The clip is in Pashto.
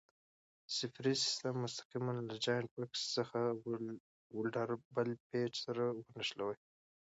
صفري سیم مستقیماً له جاینټ بکس څخه د ولډر بل پېچ سره ونښلوئ.